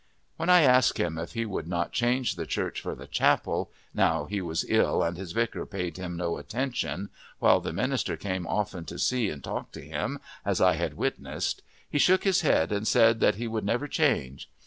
When I asked him if he would not change the church for the chapel, now he was ill and his vicar paid him no attention, while the minister came often to see and talk to him, as I had witnessed, he shook his head and said that he would never change.